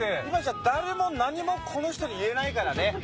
今じゃダレも何もこの人に言えないからね！